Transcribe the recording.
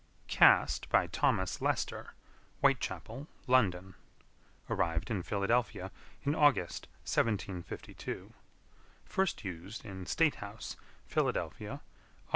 Cast by Thomas Lester, Whitechapel, London. Arrived in Philadelphia in August, 1752. First used in statehouse, Philadelphia, Aug.